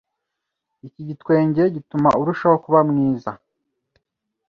Iki gitwenge gituma arushaho kuba mwiza